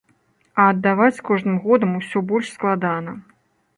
А аддаваць з кожным годам усё больш складана.